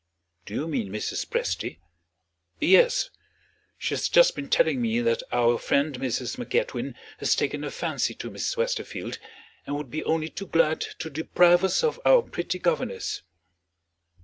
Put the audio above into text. "Do you mean Mrs. Presty?" "Yes. She has just been telling me that our friend Mrs. MacEdwin has taken a fancy to Miss Westerfield, and would be only too glad to deprive us of our pretty governess."